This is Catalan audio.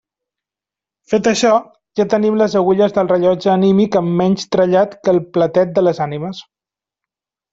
Fet això, ja tenim les agulles del rellotge anímic amb menys trellat que el platet de les ànimes.